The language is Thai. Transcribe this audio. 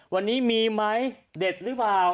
วันนี้มีไหมเด็ดหรือเปล่า